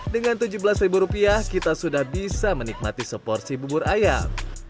dengan tujuh belas rupiah kita sudah bisa menikmati seporsi bubur ayam